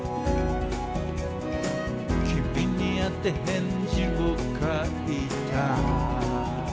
「君にあて返事を書いた」